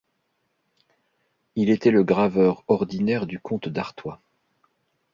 Il était le graveur ordinaire du comte d’Artois.